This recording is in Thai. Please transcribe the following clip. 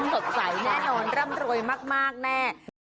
สดใสแน่นอนร่ำรวยมากแน่